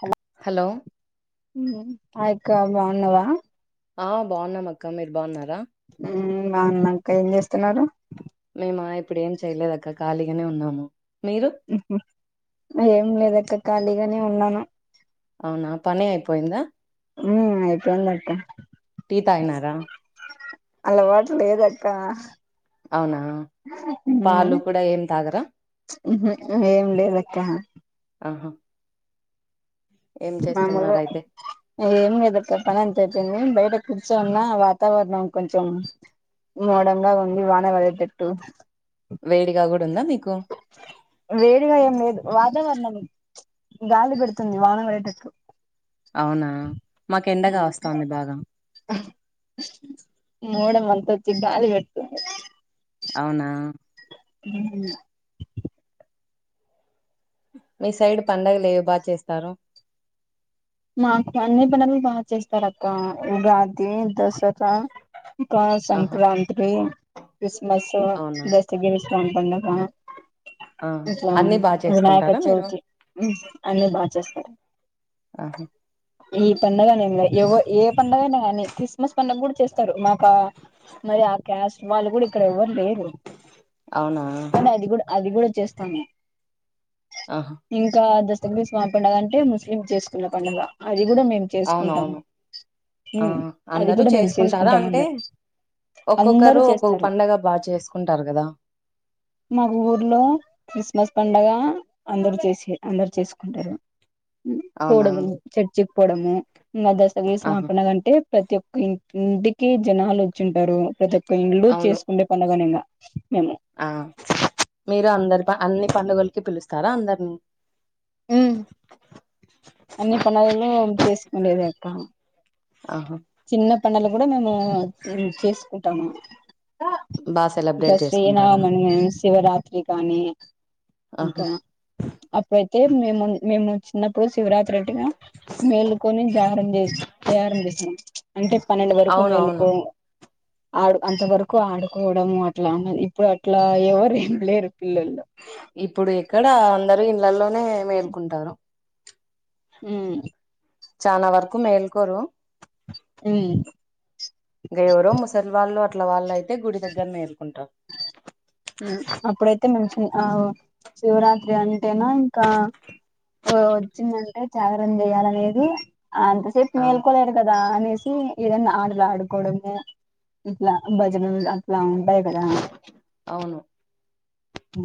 Hello హాయక్క బాగున్నావా ఆ బాగున్నామ అక్క మీరు బాగున్నారా ఊ బాగున్నక ఏం చేస్తున్నారు మేమ ఇప్పుడు ఏం చెయలేదక్క ఖాళీగానే ఉన్నాము మీరు ఏం లేదక్క ఖాళీగానే ఉన్నాను అవునా పని ఐయిపోయిందా ఉ అయిపోయిందక్క టీ తాయినారా అలవాటు లేదక్క అవునా పాలు కూడా ఏం తాగరా ఉహు ఏం లేదక్క ఆహా ఏం మామలే చేస్తున్నారు అయితే ఏం లేదక్క పనంత ఐపోయింది నేన్ బయట కుచోనున్న వాతావరణం కొంచం మోడంగా ఉంది వాన వడేటట్టు వేడిగా కూడా ఉందా అది వేడిగా ఏం లేదు వాతావరణం గాలి పెడుతుంది వానం పడేటట్టు అవునా మాకు ఎండగా వస్తంది బాగా మోడం అంత వచ్చి గాలి పెడుతుంది అవునా ఊ మీ సైడ్ పండగలేవి బా చేస్తారు మాకు అన్ని పండగలు బాగా చేస్తారు అక్క ఉగాది దసరా ఇంకా ఆహా సంక్రాంతి క్రిస్మస్సు అవునా జస్తగి గట్లందాప ఆ ఇట్లా అన్ని బాగా వినాయక చేసుకుంటారా మీరు చవితి ఉ అన్ని బాగా చేస్తారు. ఆహా ఈ పండుగ అనేమ్లా ఏవో ఏ పండుగనే కానీ క్రిస్మస్ కూడా చేస్తారు మాకు ఆ క్యాస్ట్ వాళ్ళు కూడా ఇక్కడ ఎవ్వరు లేేరు అవునా కానీ అది కూడా అది కూడా చేస్తాము ఆహా ఇంకా దస్తగిరి స్వామి పండుగ అంటే ముస్లిం చేసుకున్న పండుగా అయ్ అది కూడా మేము చేసుకుంటాము అవునవును ఉ ఆ అది అందరూ కూడా మేము చేసుకుంటారా చేసుకుంటాం అంటే అందరు. అందరూ ఒక్కొక్కరు ఒక్కొక్క చేస్తారు పండగ బాగా చేసుకుంటారు కదా. మాకు ఊర్లో క్రిస్మస్ పండగ అందరు చేసి అందరు చేసుకుంటారు ఉ అవునా పోవడం చర్చ్ పోడము ఇంకా దస్తగిరి స్వామి ఆహా పండగ అంటే ప్రతి ఒక్క ఇ ఇంటికి జనాలు వచ్చింటారు ప్రతి ఒక్క ఇండ్లు అవును చేసుకుండే పండగా నిన్న మేము ఆ మీరు అందరి అన్ని పండుగలకి పిలుస్తారా అందరినీ. ఉ అన్ని పండగలు చేసుకుండేది అక్క ఆహా చిన్న పండగలు కూడా మేము ఉ చేసుకుంటాము బాగా ద సెలబ్రేట్ శ్రీ చేసుకుంటారా రామనవమి శివరాత్ త్రి కానీ ఆహా ఇంకా అప్పుడైతే మేము మేము చిన్నప్పుడు శివరాత్రి అటేగా మేలుకొని జాగరం చే జాగరం చేసినం. అంటే పన్నెండు వరకు అవునవును మేలుకో ఆడు అంతవరకు ఆడుకోవడం అట్లా ఉన్నది ఇప్పుడు అట్లా ఎవరు ఏం లేరు పిల్లలు. ఇప్పుడు ఎక్కడ అందరు ఇళ్లలోనే మేల్కుంటారు. ఉ చానా వరకు మేల్కోరు ఉ ఇంక ఎవరో ముసలి వాళ్ళు అట్ల వాళ్ళు అయితే గుడి దగ్గర మేలుకుంటారు. ఉ అప్పుడైతే మేము ఆ శివరాత్రి అంటేనా ఇంకా వచ్చిందంటే జాగరణ చేయాలనేది అంతసేపు ఆ మేల్కోలేరు కదా అనేస్ సి ఏదన్నా ఆటలు ఆడుకోవడము ఇట్లా భజనలు అట్లా బయటాదా అవును ఉ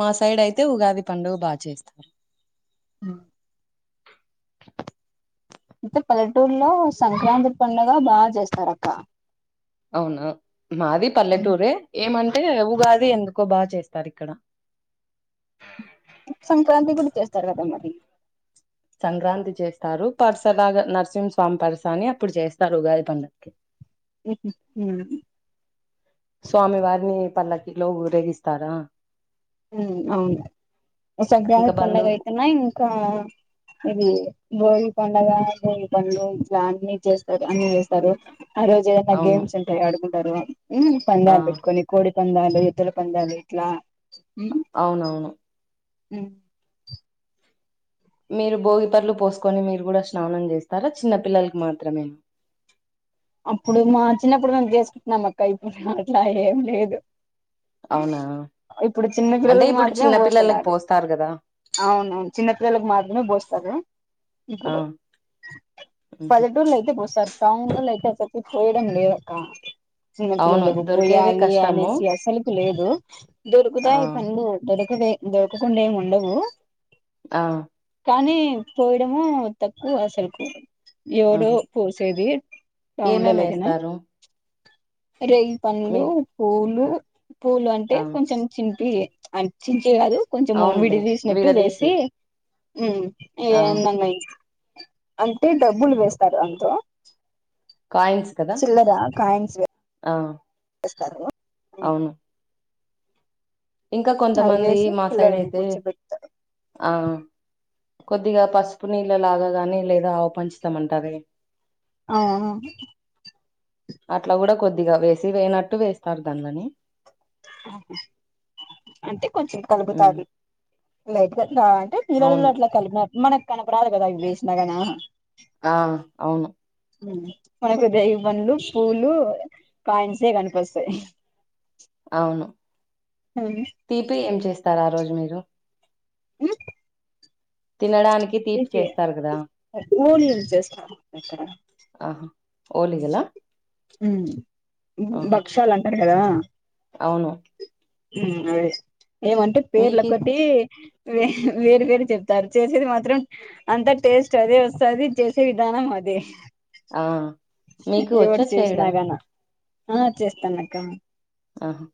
మా సైడ్ అయితే ఉగాది పండుగ బాగా చేస్తారు. ఉ ముత్తే పల్లెటూరులో సంక్రాంతి పండుగ బాగా చేస్తారు అక్క. అవునా మాది పల్లెటూరే ఏమన్ టే ఉగాది ఎందుకో బాగా చేస్తారు ఇక్కడ సంక్రాంతి కూడా చేస్తారు కదా మరి సంక్రాంతి చేస్తారు పరసలాగా నరసింహస్వామి పరస అని అప్పుడు చేస్తారు ఉగాది పండక్కి. ఉమ్ స్వామి వారిని పల్లకిలో ఊరేగిస్తారా ఉ అవును ఇంకా సంక్రాంతి పండగ బంధువు అయితేనా ఇంకా ఇది భోగి పడుగ భోగి పండు ఇట్లా అన్ని చేస్తారు అన్ని చేస్తారు ఆ రోజు ఏదన్నా అవును గేమ్స్ ఉంటాయి ఆడుకుంటారు ఉ ఆ పందాలు పెట్టుకొని కోడి పందాలు ఎద్దుల పంద్యాలు ఇట్ల అవునవును ఉ మీరు భోగి పండ్లు పోసుకొని మీరు కూడా స్నానం చేస్తారా చిన్న పిల్లలకి మాత్రమే అప్పుడు మా చిన్నప్పుడు మేం చేసుకుంటున్నాం అక్క ఇప్పుడు అట్లా ఏం లేదు అవునా ఇప్పుడు చిన్న అంటే పిల్లలకు ఇప్పుడు మాత్రమే చిన్న పిల్లలకి పోస్తున్నారు పోస్తారు కదా అవునువును చిన్నపిల్లలకు మా వును బోస్తారు ఆ ఇప్పుడు ఉహు. పల్లెటూరులో అయితే పోస్తారు టౌన్ లో అయి సపో చేయడం లేదు అక్క అవును చిన్నపిల్లలకు దొరికేదే పోయాలి కష్టము అనేసి అసలుకి లేదు ఆ దొరుకుతాయి ఈ పండ్లు దొరకవే దొరక కుండా ఏమి ఉండవు ఆ కానీ పోయడము తక్కవే అసలుకు ఎవడో పోసేది ఏమీమి టౌన్లలో అయితేనా వేస్తారు రేగి మీ పండ్లు, పూలు పూలు అంటే ఆ కొంచెం చింపి ఆన్ టే కాదు కొంచెం అవునులే విడి తీసినట్టు విడదీసి వేసి ఆ ఏన్ననా అంటే డబ్బులు వేస్తారు అంతో కాయిన్స్ కదా చిల్లర కాయన్స్ వే ఆ వేస్తారు అవును ఇంకా అవి కొంతమంది వేసి మా సైడ్ పిల్లలను అయితే కూర్చోబెడతారు ఆ కొద్దిగా పసుపు నీళ్ళ లాగా గాని లేదా ఆవ పంచితం అంటారే ఆ ఆ అట్లా కూడా కొద్దిగా వేసి వేయి నట్టు వేస్తారు దాన లని అంటే కొంచెం కలుగుతాది లైట్గా కా అంటే పిల్లలల్లో అవును అట్లా కలిపి నట్లు మన కనపరాదు కదా అవి వేసిన గాన ఆ అవును ఉ మనకు రేగి పండ్లు, పూలు కాయిన్స్ ఏయ్ కనిపిస్తాయి. అవును తీపి ఏం చేస్తారా ఆ రోజు మీరు ఉ తినడానికి తీపి చేస్తారు కదా ఓన్లీ చేస్తారు ఇక్కడ ఆహా ఓలిగల ఉ భక్షాలు అంటారు కదా అవును ఉ ఆ ఏమంటే పేర్లు మీకి ఒక్కటి వే వేరు వేరు చెప్తారు చేసేది మాత్రం అంత టేస్ట్ అదే వస్తుంది చేసే విధానం వే ఆ మీకు వచ్చ ఆ చేస్తాను అక్క ఆహా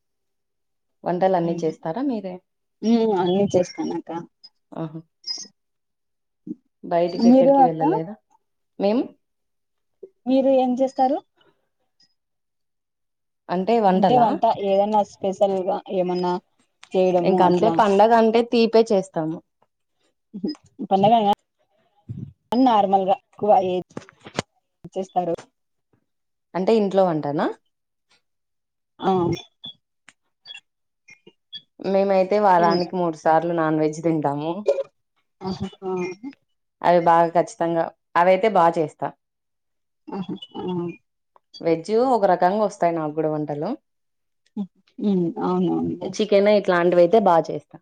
వంటలు అన్నీ చేస్తారా మీరే ఉ అన్నీ చేస్తానుక్క ఆహా బయటికి ఎక్కడికి వెళ్ళలేదా మేము మీరు ఏం చేస్తారు అంటే వంట ఏదైనా స్పెషల్ గా ఏమన్నా చేయడము ఇంక అంటే అట్లా పండగ అంటే తీపే చేస్తాము పండగ లా నార్మలగా చేస్తారు అంటే ఇంట్లో వంటనా ఆ మేమైతే ఉమ్ వారానికి మూడు సార్లు నాన్ వెజ్ తింటాము ఆహా ఆ అవి బాగా ఖచ్చితంగా అవి అయితే బాగా చేస్తా అహు వెజ్జ్ ఒక రకంగా వస్తాయి నాక్ కూడా వంటలు ఉ అవునా అండి చికెన్ ఇట్లాంటివి అయితే బాగా చేస్తా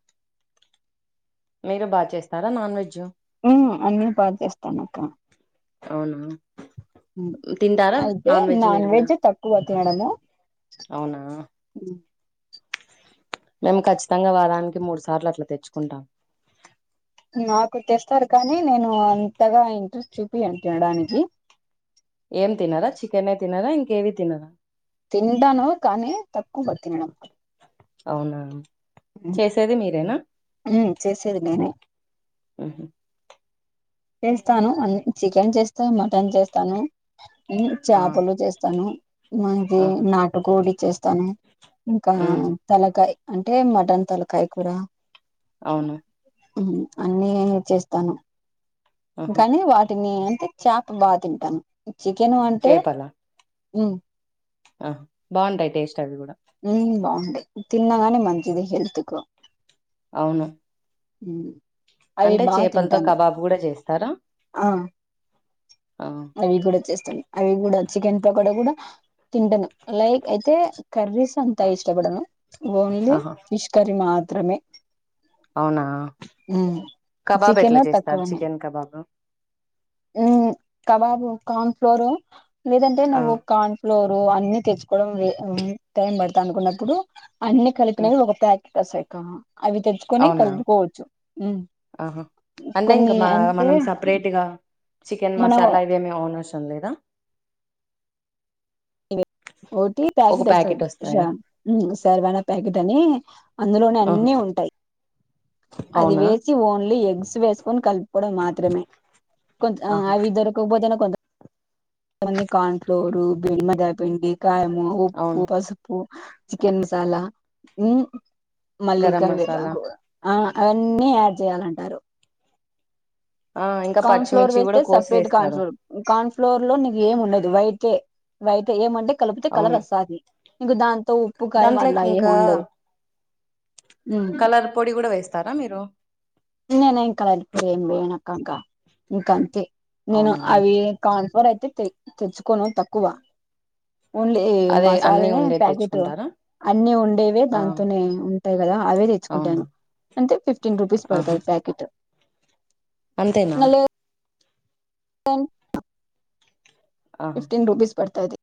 మీరు బాగా చేస్తారా నాన్ వెజ్ ఉమ్ అన్నీ బా చేస్తానుక్క అవునా తింటారా అయితే వెజ్ నాన్ మీరు కూడా వెెజ్ తక్కువ తిన్నడాము అవునా మేము ఖచ్చితంగా వారానికి మూడు సార్లు అట్లా తెచ్చుకుంటాం నాకు తెస్తారు కానీ నేను అంతగా ఇంట్రెస్ట్ చూపియ్యను తినడానికి ఏం తినారా చికెన్ తినారా ఇంకేవి తినరా తింటాను కానీ తక్కువ తినడం అవునా ఉమ్ చేసేది మీరేనా ఉమ్ చేసేది నేను ఆ చేస్తాను అన్ని చికెన్ చేస్తా మటన్ చేస్తాను ఆహా చేపలు చేస్తాను మాకు ఆహా నాటుకోడిచ్చస్తాను ఇంకా ఉమ్, తలకాయ అంటే మటన్ తలకాయ కూడా అవును అన్నీ నిన్నే చేస్తాను ఆహా కానీ వాటిని అ చేప బాగా తింటాను చికెను అంటే చేపల ఆ బాగుంటాయి టేస్ట్ అవి కూడా ఉమ్ బాగుంటేయి తిన్నాగానే మంచిదే హెల్త్ కు అవును అవి అంటే బాగా చేపలతో తింటాను కబాబ్ కూడా చేస్తారా ఆ ఆ అవి కూడా చేస్తాను అవి కూడా చికెన్ పకోడా కూడా తింటాను లైక్ అయితే కర్రీస్ అంతా ఇష్టపడను ఓన్లీ ఆహా ఫిష్ కర్రీ మాత్రమే అవునా మ్మ్ కబాబ్ చికెన్ ఎట్లా చేస్తారు చికెన్ కబాబ్ ఉమ్ కబాబు కార్న్ ఫ్లోర్ లేదంటే ఆ నువ్వు కార్న్ ఫ్లోర్ ఫ్లోర్ అన్ని తెచ్చుకోవడం టైం పడతాదీ అనుకున్నప్పుడు అన్ని ఉమ్ కలిపినవి ఒక ప్యాకెట్ వస్తది అవి తెచ్చుకొని అవునా కలుపుకోవచ్చు ఆహా అంటే ఇంకా కొన్ని మా అంటే మనం సపరేట్గా చికెన్ మనం మసాలా ఇవేమీ అనర్సం లేదా [unintelligible] ఒక ప్యాకెట్ వస్తాయా అందులోనే ఆహా అన్నీ ఉంటయి అది అవునా వేసి ఓన్లీ ఎగ్స్ వేసుకొని కల్ కోవడం మాత్రమే కొంచ్ ఆహా అవి దొరకాకపోతేనే కొంత కొంతమంది కార్న్ ఫ్లోరు బీరిమరి అయిపొయింది. కాయము, ఉప్పు, అవును పసుపు, చికెన్ మసాలా మళ్ళీ గరం కరివేపాకు మసాలా కుడా ఆ అవన్నీ యాడ్ చేయాలంటారు. ఆ ఇంకా కౌన్ ఫ్లోర్ పచ్చిమిర్చి కూడా వేస్తే కోసి సప్రెట్ కాన్ వేస్తారు ఫ్లోర్ కాన్ ఫ్లోర్ లో నీకేం ఉండదు వైటే వైటే ఏమంటే కలుపుతే కలర్ వస్తాది ఇగ దా దాంట్లకి ఇంకా ఉమ్. కలర్ పొడి కుడా వేస్ స్తారా మీరు నేనే కలర్ ఇప్పుడేం వెయ్యానాక్క ఇంకా ఇంక అంతే నేను అవునా అవి కా ఎవరైతే తె తెచ్చుకోను తక్కువ ఓన్లీ అదే అన్ని మసాలానే ఉండేది ప్యాకిటు తెచ్చుకుంటారా అన్ని ఉండేవే ఆ దాంతోనే ఉంటయి కదా అవే అవును తెచ్చుకుంటాను అంటే ఫిఫ్టీన్ రూపీస్ ఆహా పడ్తది ప్యాకిటు అంతేనా సన్ ఆహా ఫిఫ్టీన్ రూపీస్ పడతది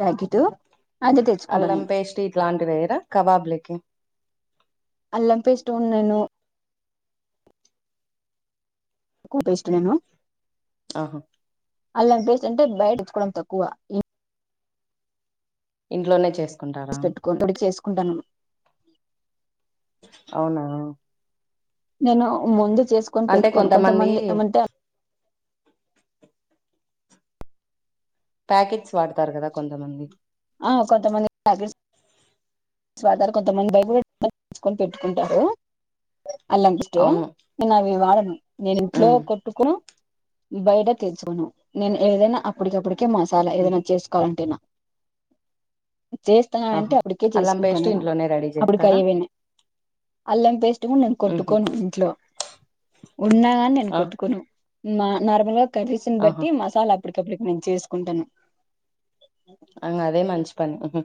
ప్యాకిటు అల్లం పేస్ట్ ఇట్లాంటి వేయ్యరా కబాబ్లకి అల్లం పేస్ట్ ఉండే ఎన్నో [unintelligible] పేస్ట్ వేణు ఆహా అల్లం పేస్ట్ అంటే బయట్ తెచ్చుకోవడం తక్కువ ఇంట్లోనే చేస్ [unintelligible] చేసుకుంటానమ్మ అవునా నేను ముందు చేసుకొన్ పెట్టుకోను కొంతమంది ఏమంటే ప్యాకెట్స్ వాడతారు కదా కొంతమంది ఆ ఫర్ దార్ కొంతమంది బైబులే తెచ్చుకొన్ పెట్టుకుంటారు. అల్లం పిస్టు అవును నిన్న అవి వాడను నేను ఇంట్లో ఉమ్ కొట్టుకు బయట తెచ్చుకోను నేను ఏదైనా అప్పటికప్పటికే మసాలా ఉమ్ ఏదైనా చేసుకోవాలంటేనా చేస్తన్నా అంటే ఆహా అప్పటికే అల్లం చేసుకుంటా పేస్ట్ నేను ఇంట్లోనే రెడీ అప్పుడికె చేస్తారా ఏవైనా అల్లం పేస్ట్ గున్ నేన్ ఉహు కొట్టుకోను ఇంట్లో ఉన్నా గాన్ నేన్ ఆ కొట్టుకోను మా నార్మల్ గా కర్రీస్ ఆహా బట్టి మసాలా అప్పడికప్పడికి నేన్ చేసుకుంటను. ఆ అదే మంచి పని హ్మ్ హు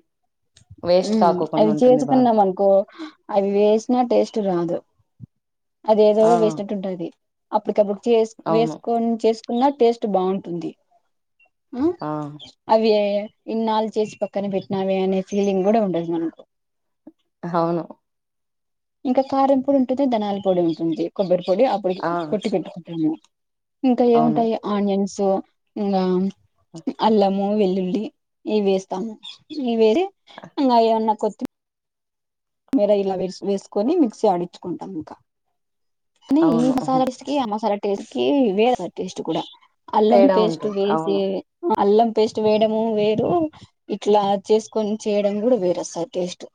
మ్మ్ అవి బాగా చేసుకున్నామనుకో అవి వేసినా టేస్ట్ రాదు. అదెదో ఆ వేసినట్టు ఉంటది అప్పటికప్పుడు చేస్ అవును వేసుకొన్ చేస్ కున్న టేస్ట్ బావుంటుంది ఆ అవి ఇన్నాళ్ చేసి పక్కన పెట్టినావే అనే ఫీలింగ్ గుడా ఉండద్ మనకు అవును ఇంకా కారం పొడి ఉంటుంది ధన్యాల పొడి ఉంటుంది కొబ్బరి పొడి ఆ అప్పటికి కొట్టి పెట్టుకుంటా నేను ఇంక అవును ఏముంటాయి ఆనియన్స్ ఇంగా అల్లము వెల్ ల్లులి ఇవి వేస్తాము ఇవి వేసి ఇంగా ఏమన్నా కొత్ మీర ఇలా వేస్ వేసుకొని మిక్సీ జాడించుకుంటాం ఇంకా కని ఈ అవును ఉహు మసాలా టెస్ట్ కి ఆ మసాలా టేస్ట్ కి వేరస్సలు టేస్ట్ కుడా అల్లం తేడా పేస్టు ఉంటుంది వేసి అవును ఆ అల్లం పేస్ట్ వేయడము వేరు ఇట్లా చేసుకొని చేయడం కూడా వేరు వస్తది టేస్ట్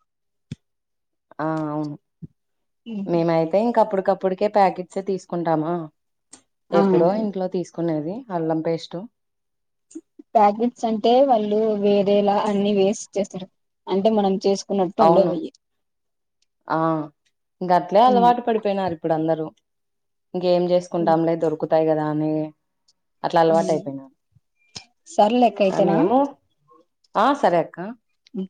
ఆ అవును మేమైతే ఇంకా అప్పుడు అప్పటికప్పుడుకే ప్యాకెట్స్ తీసుకుంటామా ఆ ఎప్పుడో ఇంట్లో తీస్ కునేది అల్లం పేస్టు ప్యాకెట్స్ అంటే వాళ్ళు వేరేలా అన్ని వేసి చేస్తారు అంటే మనం చేస్ అవును ఆ గట్లే అలవాటు పడిపోయినారు ఇప్పుడు అందరూ ఇంకేమి చేసుకుంటాంలే దొరుకుతాయి కదా అని అట్లా ఉ అలవాటు అయిపోయినారు సర్లేక్క ఆ అయితేనా మేము ఆ సరే అక్క ఉ